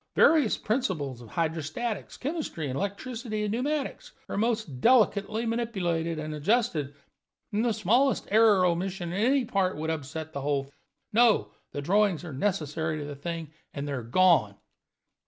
Various principles of hydrostatics, chemistry, electricity, and pneumatics are most delicately manipulated and adjusted, and the smallest error or omission in any part would upset the whole. No, the drawings are necessary to the thing, and they are gone."